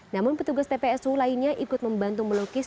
namun petugas ppsu lainnya ikut membantu melukis